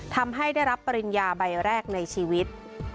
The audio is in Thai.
ทำให้ได้รับปริญญาใบแรกในชีวิต